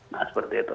nah seperti itu